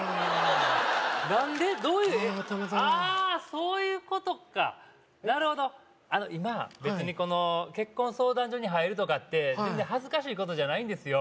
そういうことかなるほど今別にこの結婚相談所に入るとかって全然恥ずかしいことじゃないんですよ